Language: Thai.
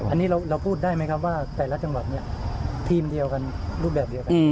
อันนี้เราพูดได้ไหมครับว่าแต่ละจังหวัดเนี่ยทีมเดียวกันรูปแบบเดียวกัน